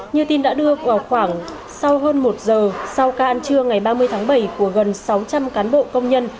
như tin đã đưa vào khoảng sau hơn một giờ sau ca ăn trưa ngày ba mươi tháng bảy của gần sáu trăm linh cán bộ công nhân